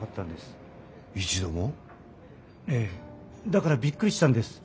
だからびっくりしたんです。